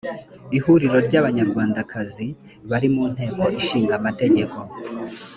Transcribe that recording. ihuriro ry abanyarwandakazi bari mu nteko ishinga amategeko